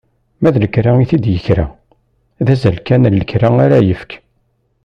Ma d lekra i t-id-ikra, d azal kan n lekra ara yefk.